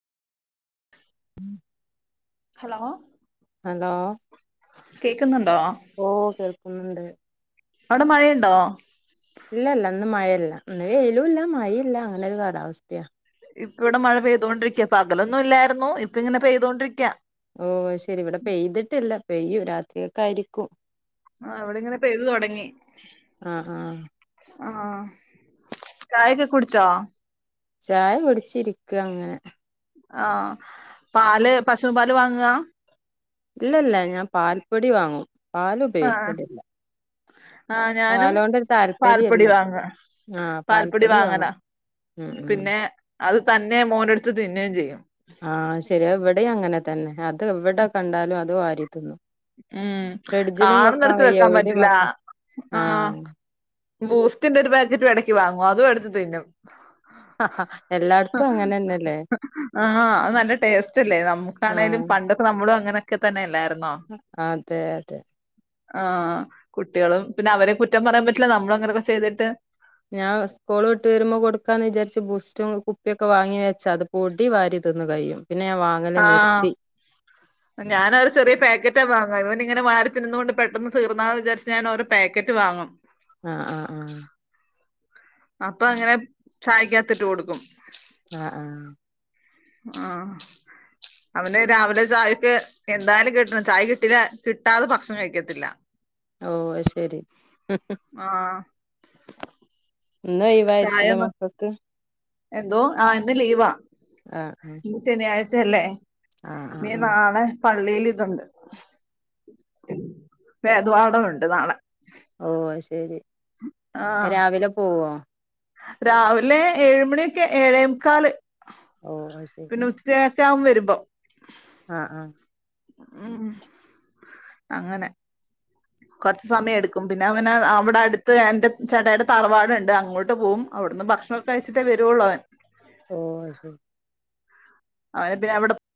[inaudible] Hello hello കേക്കുന്നുണ്ടോ? ഓ കേൾക്കുന്നുണ്ട് അവിട മഴയൊണ്ടോ? ഇല്ലല്ല ഇന്ന് മഴയില്ല ഇന്ന് വെയിലുല്ല മഴയില്ല അങ്ങനെ ഒരു കാലാവസ്ഥയാ ഇപ്പ ഇവിട മഴ പെയ്തോണ്ടിരിക്കയാ പകലൊന്നും ഇല്ലാരുന്നു ഇപ്പം ഇങ്ങനെ പെയ്തൊണ്ടിരിക്കാ ഓ അത് ശരി ഇവിടെ പെയ്തിട്ടില്ല പെയ്യും രാത്രിയൊക്കായിരിക്കും ആഹ് ഇവിടിങ്ങനെ പെയ്തു തൊടങ്ങി ആഹ് ആഹ് ആഹ് ചായേക്കെ കുടിച്ചോ? ചായ കുടിച്ചിരിക്കാ അങ്ങനെ ആഹ് പാല് പശൂമ്പാല് വാങ്ങുവാ ഇല്ല ഇല്ല ഞാൻ പാൽപ്പൊടി വാങ്ങും പാല് ഉപയോഗിക്കലില്ല [unintelligible] ആഹ് ഞാനും പാലോണ്ടൊരു പാൽപ്പൊടി താല്പര്യല്ല വാങ്ങ ആഹ് പാൽപ്പൊടി വാങ്ങും വാങ്ങലാ ഉം ഉം പിന്നെ അത് തന്നെ മോനെടുത്ത് തിന്നേം ചെയ്യും ആഹ് ശരിയ ഇവിടേം അങ്ങനെ തന്നെ അത് എവിട കണ്ടാലും അത് വാരിത്തിന്നും ഉം കാണുന്നിടത്ത് വെക്കാൻ എവിടെയും പറ്റില്ല വെക്കാൻ ആഹ് ഈ ബൂസ്റ്റിന്റെ ഒരു പാക്കറ്റും എടക്ക് വാങ്ങും അതും എടുത്ത് തിന്നും [unintelligible] എല്ലാടത്തും അങ്ങനെന്നല്ലേ ആഹ് അത് നല്ല ടേസ്റ്റല്ലേ നമ്മുക്കാണേലും ആഹ് പണ്ടൊക്ക നമ്മളും അങ്ങനൊക്കെ തന്നെ അല്ലാരുന്നോ? അതെ അതെ ആഹ് കുട്ടികളും പിന്നെ അവരേം കുറ്റം പറയാൻ പറ്റില്ല നമ്മളങ്ങനൊക്ക ചെയ്തിട്ട് ഞാൻ സ്കൂള് വിട്ട് വരുമ്പോ കൊടുക്കാന്ന് വിചാരിച്ച് ബുസ്റ്റും കുപ്പിയൊക്ക വാങ്ങി വെച്ചാത് പൊടി വാരി തിന്ന് കഴിയും പിന്നെ ഞാൻ വാങ്ങല് ആഹ് നിർത്തി ഞാനൊരു ചെറിയ പാക്കറ്റാ വാങ്ങാ ഇവനിങ്ങനെ വാരി തിന്നുന്നോണ്ട് പെട്ടെന്ന് തീർന്നാന്ന് വിചരിച്ച് ഞാൻ ഒരു പാക്കറ്റ് വാങ്ങും ആഹ് ആഹ് ആഹ് അപ്പങ്ങനെ ചായക്കാത്തിട്ട് കൊടുക്കും ആഹ് ആഹ് ആഹ് അവനെ രാവിലെ ചായൊക്ക് എന്തായാലും കിട്ടണം ചായ കിട്ടില്ല കിട്ടാതെ ഭക്ഷണം കഴിക്കത്തില്ല ഓ അത്ശരി [unintelligible] ആഹ് ഇന്ന് ലീവായിരിക്കല്ലേ ചായൊന്ന് മക്കക്ക്‌ എന്തോ ആഹ് ഇന്ന് ലീവാ ആഹ് ആഹ് ഇന്ന് ശനിയാഴ്ചയല്ലേ ആഹ് ഇനീ ആഹ് ആഹ് നാളെ പള്ളിൽ ഇതുണ്ട് വേദവാടമുണ്ട് നാളെ ഓ അയ്ശരി ആ രാവിലെ പോവോ രാവിലെ ഏഴുമണിയൊക്കെ ഏഴേമുക്കാൽ ഓ അത് ശരി പിന്നെ ഉചേക്കവും വരുമ്പോ ആഹ് ആഹ് ഉം അങ്ങനെ കുറച്ച് സമയം എടുക്കും പിന്നെ അങ്ങനെ അവിടെ അടുത്ത് എന്റെ ചേട്ടയുടെ തറവാടുണ്ട് അങ്ങോട്ട് പോകും അവിടുന്ന് ഭക്ഷണം കഴിച്ചിട്ടേ വരുള്ളൂ അവൻ ഓ അയ്ശരി അവരെ പിന്നെ അവിടെ